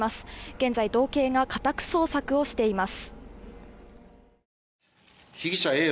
現在、道警が家宅捜索をしています。